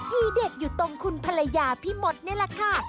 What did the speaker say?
ทีเด็ดอยู่ตรงคุณภรรยาพี่มดนี่แหละค่ะ